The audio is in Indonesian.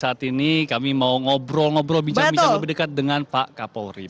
saat ini kami mau ngobrol ngobrol bincang bincang lebih dekat dengan pak kapolri